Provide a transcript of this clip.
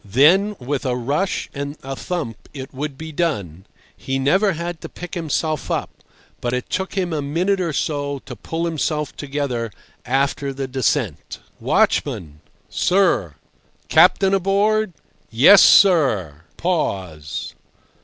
Then with a rush and a thump it would be done. He never had to pick himself up; but it took him a minute or so to pull himself together after the descent. "Watchman!" "Sir." "Captain aboard?" "Yes, sir." Pause.